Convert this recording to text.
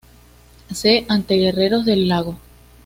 C., ante Guerreros del Lago.